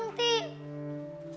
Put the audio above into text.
ada tuh kertasnya